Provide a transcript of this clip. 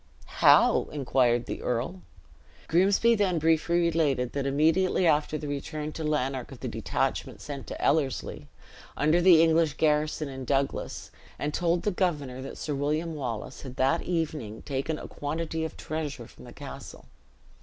"How?" inquired the earl. Grimsby then briefly related, that immediately after the return to Lanark of the detachment sent to Ellerslie, under the English garrison in Douglas, and told the governor that Sir William Wallace had that evening taken a quantity of treasure from the castle.